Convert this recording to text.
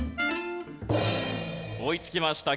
追いつきました。